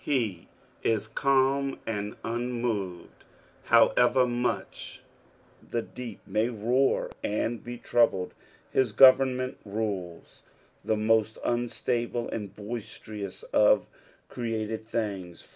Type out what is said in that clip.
He is calm and unmoved, however much the deep may roar and be troubled : hu government rules the most unstable and boisterous of created things.